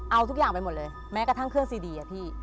เอาทุกอย่างไปหมดเลยแม้กระทั่งเครื่องซีดีอะพี่